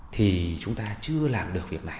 thì chúng ta chưa làm được việc này